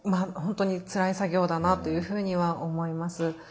本当につらい作業だなというふうには思います。